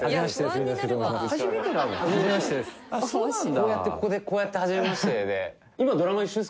こうやってここでこうやってはじめましてで。